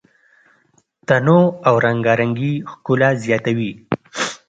تنوع او رنګارنګي ښکلا زیاتوي.